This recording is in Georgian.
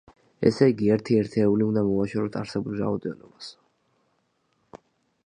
ესე იგი, ერთი ერთეული უნდა მოვაშოროთ არსებულ რაოდენობას.